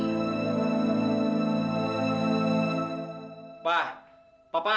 kamu yang buat hidup aku begini